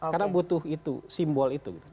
karena butuh itu simbol itu